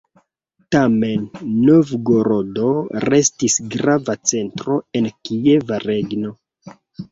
Tamen Novgorodo restis grava centro en Kieva regno.